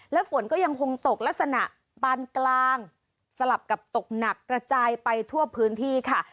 และฝนก็ยังคงตกลักษณะปานกลางสลับกับตกหนักกระจายไปทั่วพื้นที่ค่ะ